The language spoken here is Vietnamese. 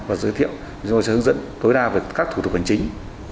và giới thiệu rồi hướng dẫn tối đa về các thủ tục hành chính